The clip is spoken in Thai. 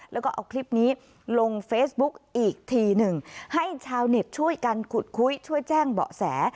แล้วก็เอาคลิปนี้ลงเฟซบุ๊กอีกทีหนึ่งให้ชาวเน็ตช่วยกันขุดคุยช่วยแจ้งเบาะแส